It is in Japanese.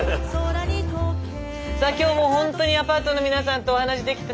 さあ今日もほんとにアパートの皆さんとお話しできて楽しかったです。